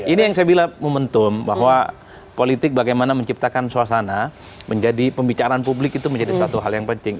ini yang saya bilang momentum bahwa politik bagaimana menciptakan suasana menjadi pembicaraan publik itu menjadi suatu hal yang penting